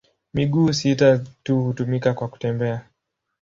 Miguu sita tu hutumika kwa kutembea.